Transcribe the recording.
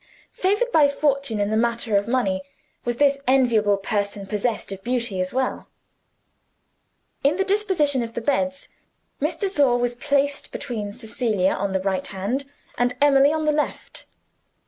Favored by fortune in the matter of money, was this enviable person possessed of beauty as well? In the disposition of the beds, Miss de Sor was placed between Cecilia on the right hand, and Emily on the left.